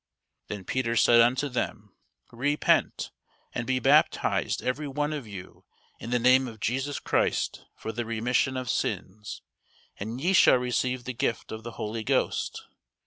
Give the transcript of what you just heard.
Then Peter said unto them, Repent, and be baptized every one of you in the name of Jesus Christ for the remission of sins, and ye shall receive the gift of the Holy Ghost.